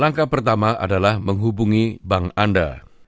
langkah pertama adalah menghubungi bank anda